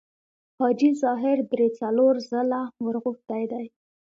حاجي ظاهر درې څلور ځله ورغوښتی دی.